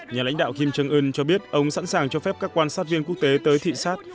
nhà lãnh đạo kim trương ưn cho biết ông sẵn sàng cho phép các quan sát viên quốc tế tới thị xát